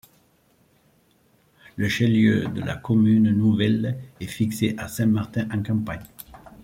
Le chef-lieu de la commune nouvelle est fixé à Saint-Martin-en-Campagne.